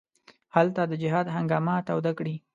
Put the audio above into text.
هلته د جهاد هنګامه توده کړي.